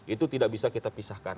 itu tidak bisa kita pisahkan